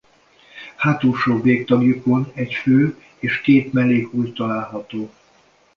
Hátulsó végtagjukon egy fő- és két mellék-ujj található.